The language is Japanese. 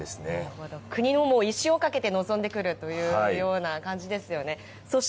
国の威信をかけて臨んでくるというような感じですよね。